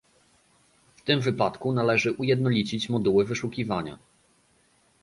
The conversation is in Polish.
W tym wypadku należy ujednolicić moduły wyszukiwania